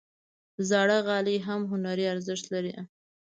زاړه غالۍ هم هنري ارزښت لري.